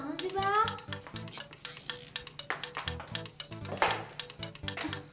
eh bangun dulu abang